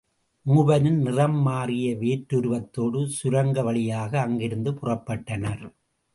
மூவரும் நிறம் மாறிய வேற்றுருவத்தோடு சுரங்க வழியாக அங்கிருந்து புறப்பட்டனர்.